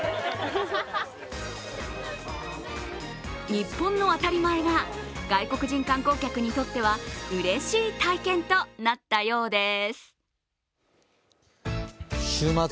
日本の当たり前が外国人観光客にとってはうれしい体験となったようです。